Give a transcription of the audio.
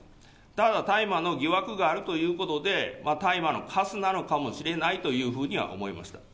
ただ、大麻の疑惑があるということで、大麻のかすなのかもしれないというふうには思いました。